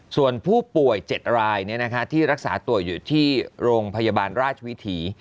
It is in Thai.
ส่วนผู้ป่วย๗รายที่รักษาตัวอยู่ที่โรงพยาบาลราชวิถี